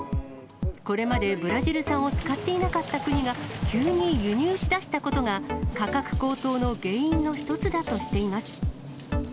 これまでブラジル産を使っていなかった国が、急に輸入しだしたことが、価格高騰の原因の一つだとしています。